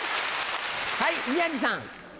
はい宮治さん。